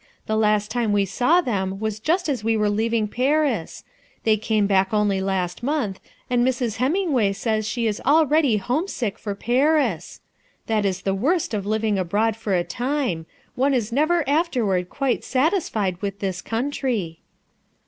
The last time we saw them was just as we were leaving Paris. They came back only last month, and Mrs. Hemingway says she is already homesick for Paris. That is the worst of living abroad for a time; one "FLANS FOK A PURPOSE" 143 is never afterward quite satisfied with this country.'